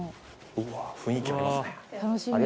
うわ雰囲気ありますね